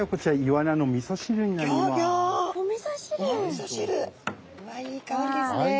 うわあいい香りですね。